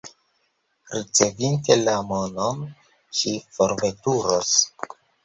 Ricevinte la monon, ŝi forveturos.